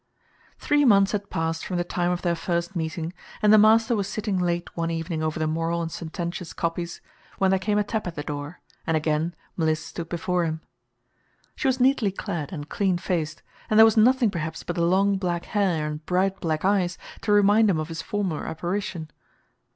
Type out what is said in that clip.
Three months had passed from the time of their first meeting, and the master was sitting late one evening over the moral and sententious copies, when there came a tap at the door and again Mliss stood before him. She was neatly clad and clean faced, and there was nothing perhaps but the long black hair and bright black eyes to remind him of his former apparition.